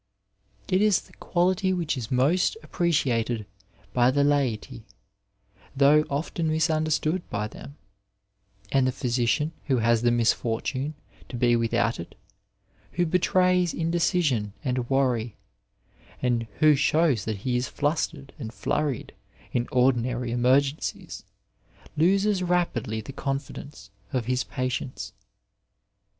It is the quality which is most appreciated by the laity though often misunderstood by them ; and the physician who has the misfortune to be without it, who betrays indecision and worry, and who shows that he is flustered and flurried in ordinary emer gencies, loses rapidly the confidence of his patients.